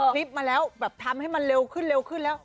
คลิปมาแล้วแบบทำให้มันเร็วขึ้นเร็วขึ้นแล้ว